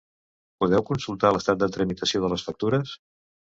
'Podeu consultar l'estat de tramitació de les factures'.